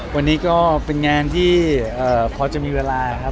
วันนี้ก็เป็นงานที่พอจะมีเวลาครับ